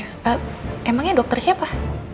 eeeh emangnya dokter siapa